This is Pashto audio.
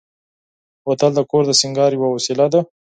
بوتل د کور د سینګار یوه وسیله ده.